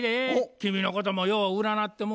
君のこともよう占ってもうてんねや。